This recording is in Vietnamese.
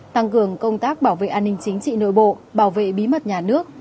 tăng cường công tác bảo vệ an ninh chính trị nội bộ bảo vệ bí mật nhà nước